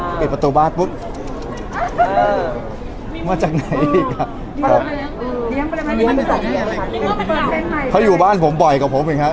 อ่าเปลี่ยนประตูบ้านปุ๊บเออมาจากไหนอีกครับเขาอยู่บ้านผมบ่อยกว่าผมเองฮะ